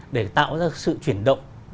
để tạo ra sự chuyển động